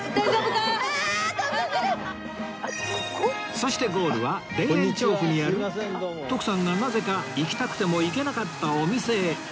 そしてゴールは田園調布にある徳さんがなぜか行きたくても行けなかったお店へ